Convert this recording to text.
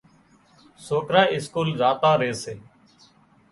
سوڪران اسڪول زاتان ري سي۔